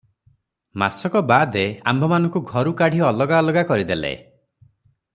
ମାସକ ବାଦେ ଆମ୍ଭମାନଙ୍କୁ ଘରୁ କାଢି ଅଲଗା ଅଲଗା କରିଦେଲେ ।